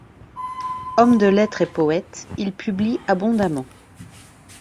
Homme de lettres et poète, il publie abondamment.